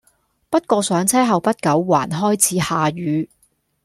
不過上車後不久還開始下雨